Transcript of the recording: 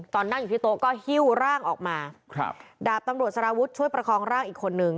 นั่งอยู่ที่โต๊ะก็หิ้วร่างออกมาครับดาบตำรวจสารวุฒิช่วยประคองร่างอีกคนนึง